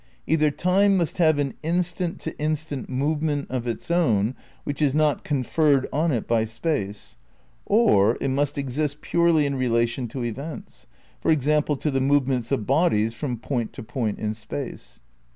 Either Time must have an instant to instant movement of its own which is not conferred on it by Space, or it must exist purely in relation to events ; for example, to the movements of bodies from point to point in Space.